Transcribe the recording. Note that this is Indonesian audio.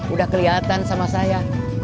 udah kelihatan sama saya